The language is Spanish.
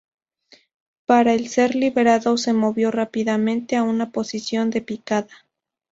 Pero al ser liberado, se movió rápidamente a una posición de picada.